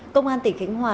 công an tỉnh khánh hòa